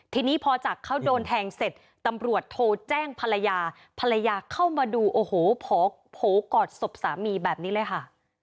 ทีนี้พอจากเขาโดนแทงเสร็จตำรวจโทรแจ้งภรรยาภรรยาเข้ามาดูโอ้โหโผล่กอดศพสามีแบบนี้เลยค่ะ